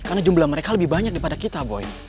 karena jumlah mereka lebih banyak daripada kita boy